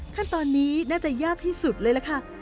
ขั้นตอนนี้น่าจะยากที่สุดเลยล่ะค่ะ